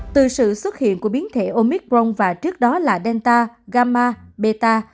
từ sự xuất hiện của biến thể omicron và trước đó là delta gama beta